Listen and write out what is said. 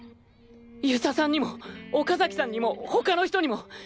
遊佐さんにも岡崎さんにも他の人にも。